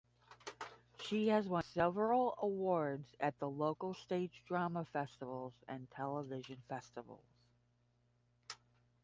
She has won several awards at the local stage drama festivals and television festivals.